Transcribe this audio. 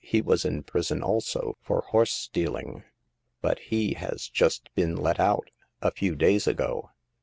He was in prison also, for horse stealing ; but he has just been let out— a few days ago.